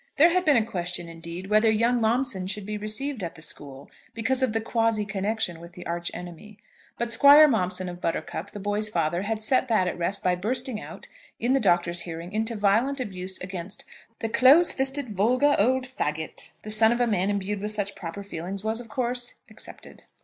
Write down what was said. There had been a question indeed whether young Momson should be received at the school, because of the quasi connection with the arch enemy; but Squire Momson of Buttercup, the boy's father, had set that at rest by bursting out, in the Doctor's hearing, into violent abuse against "the close fisted, vulgar old faggot." The son of a man imbued with such proper feelings was, of course, accepted.